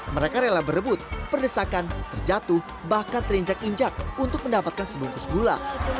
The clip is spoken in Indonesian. mereka rela berebut perdesakan terjatuh bahkan terinjak injak untuk mendapatkan sebungkus gula